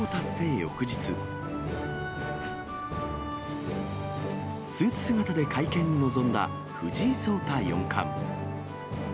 翌日、スーツ姿で会見に臨んだ藤井聡太四冠。